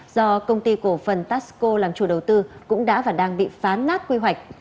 do công ty cổ phần taxco làm chủ đầu tư cũng đã và đang bị phán nát quy hoạch